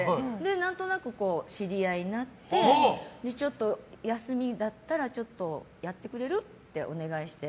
何となく知り合いになってちょっと休みだったらやってくれる？ってお願いして。